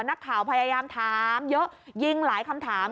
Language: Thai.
นักข่าวพยายามถามเยอะยิงหลายคำถาม